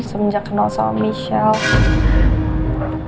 sebenernya kenal sama michelle